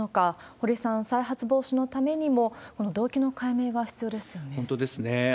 堀さん、再発防止のためにも、本当ですね。